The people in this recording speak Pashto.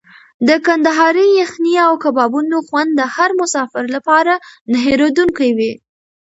د کندهاري یخني او کبابونو خوند د هر مسافر لپاره نه هېرېدونکی وي.